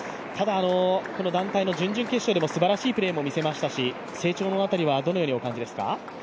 この団体の準々決勝でもすばらしいプレーを見せましたし成長の辺りはどのようにお感じですか？